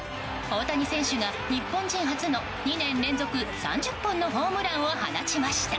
大谷選手が、日本人初の２年連続３０本のホームランを放ちました。